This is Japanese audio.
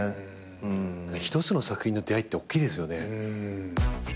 一つの作品の出合いっておっきいですよね。